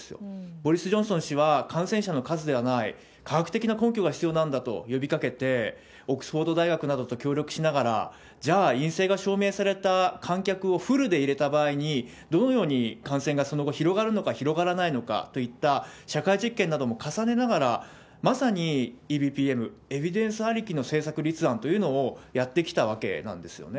ボリス・ジョンソン氏は、感染者の数ではない、科学的な根拠が必要なんだと呼びかけて、オックスフォード大学などと協力しながら、じゃあ、陰性が証明された観客をフルで入れた場合に、どのように感染が、その後、広がるのか、広がらないのかといった社会実験なども重ねながら、まさにＥＢＰＭ、エビデンスありきの政策立案というのをやってきたわけなんですよね。